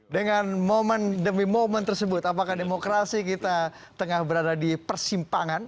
dengan momen demi momen tersebut apakah demokrasi kita tengah berada di persimpangan